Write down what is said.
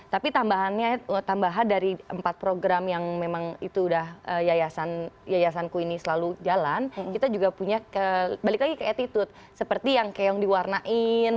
tapi tambahan dari empat program yang memang itu udah yayasan yayasanku ini selalu jalan kita juga punya balik lagi ke attitude seperti yang keong diwarnain